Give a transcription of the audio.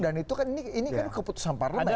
dan itu kan ini keputusan parlimen